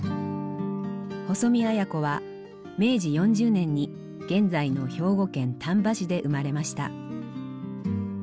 細見綾子は明治４０年に現在の兵庫県丹波市で生まれました。